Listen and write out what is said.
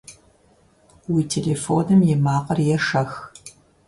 Уи телефоным и макъыр ешэх!